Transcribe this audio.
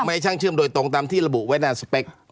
ให้ช่างเชื่อมโดยตรงตามที่ระบุไว้ในสเปค